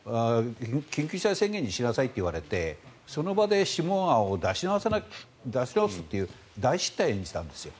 緊急事態宣言にしなさいと言われてその場で諮問案を出し直すという大失態を演じたんですよ。